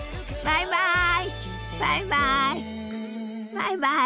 バイバイ！